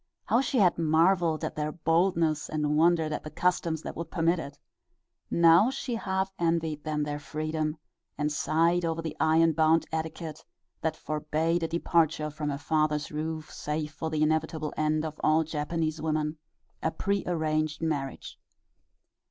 How she had marveled at their boldness and wondered at the customs that would permit it! Now she half envied them their freedom, and sighed over the iron bound etiquette that forbade a departure from her father's roof save for the inevitable end of all Japanese women a prearranged marriage.